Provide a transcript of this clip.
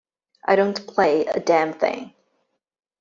I don't play a damned thing.